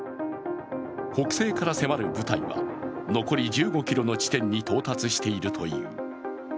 北西から迫る部隊は残り１５ｋｍの地点に到達しているという。